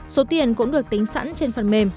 số tiền cũng được tính sẵn trên phần mềm